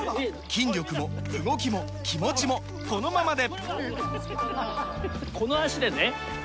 筋力も動きも気持ちもこのままで！